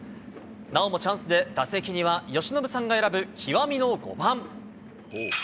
なおもチャンスで、打席には由伸さんが選ぶ極みの５番。